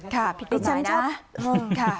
ค่ะพี่ตุ๊กไหนนะ